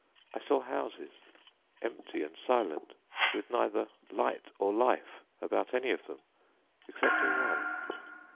I saw houses, empty and silent, with neither light nor life about any of them excepting one.